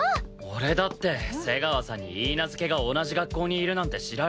俺だって瀬川さんに許嫁が同じ学校にいるなんて知られたくない。